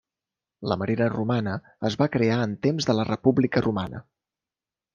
La marina romana es va crear en temps de la República Romana.